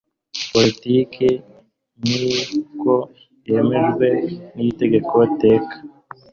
politiki nk uko yemejwe n Itegeko teka